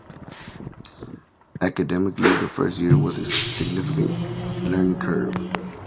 Academically, the first year was a significant learning curve.